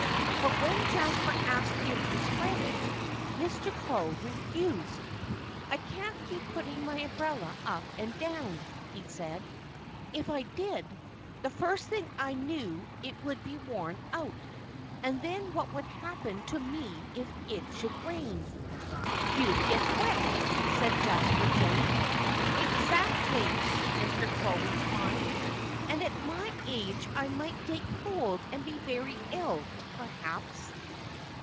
But when Jasper asked him to spread it, Mr. Crow refused. "I can't keep putting my umbrella up and down," he said. "If I did, the first thing I knew it would be worn out; and then what would happen to me if it should rain?" "You'd get wet," said Jasper Jay. "Exactly!" Mr. Crow replied. "And at my age I might take cold and be very ill, perhaps."